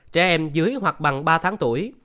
trẻ em dưới hoặc bằng ba tháng tuổi